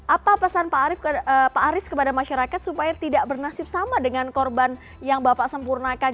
apa pesan pak aris kepada masyarakat supaya tidak bernasib sama dengan korban yang bapak sempurnakan